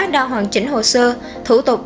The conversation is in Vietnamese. đã hoàn chỉnh hồ sơ thủ tục